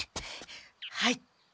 はい。